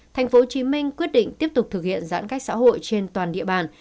tp hcm quyết định tiếp tục thực hiện giãn cách xã hội trên toàn địa bàn